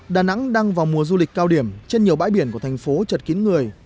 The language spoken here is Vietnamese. đà nẵng đang vào mùa du lịch cao điểm trên nhiều bãi biển của thành phố chật kín người